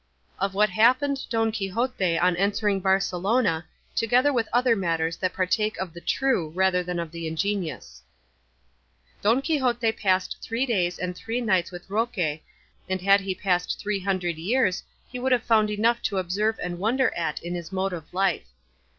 OF WHAT HAPPENED DON QUIXOTE ON ENTERING BARCELONA, TOGETHER WITH OTHER MATTERS THAT PARTAKE OF THE TRUE RATHER THAN OF THE INGENIOUS Don Quixote passed three days and three nights with Roque, and had he passed three hundred years he would have found enough to observe and wonder at in his mode of life.